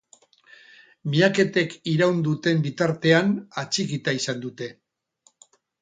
Miaketek iraun duten bitartean atxikita izan dute.